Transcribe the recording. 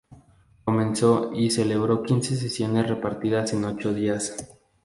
Comenzó el y celebró quince sesiones repartidas en ochos días.